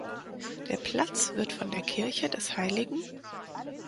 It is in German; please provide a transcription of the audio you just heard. Der Platz wird von der Kirche des hl.